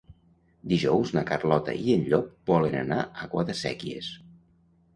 Dijous na Carlota i en Llop volen anar a Guadasséquies.